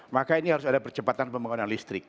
maka ini harus ada percepatan pembangunan listrik